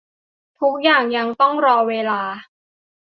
ทุกอย่างยังต้องรอเวลา